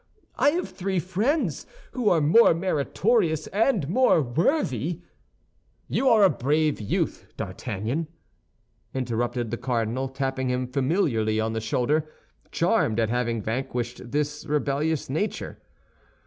I have three friends who are more meritorious and more worthy—" "You are a brave youth, D'Artagnan," interrupted the cardinal, tapping him familiarly on the shoulder, charmed at having vanquished this rebellious nature.